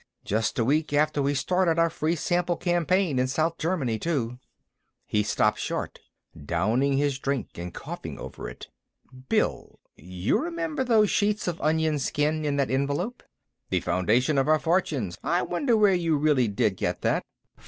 "Just a week after we started our free sample campaign in South Germany, too...." He stopped short, downing his drink and coughing over it. "Bill! You remember those sheets of onion skin in that envelope?" "The foundation of our fortunes; I wonder where you really did get that....